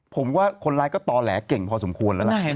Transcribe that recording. ผมว่าคนร้ายก็ต่อแหลเก่งพอสมควรแล้วล่ะ